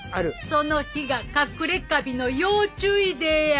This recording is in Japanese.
その日がかくれカビの要注意デーや。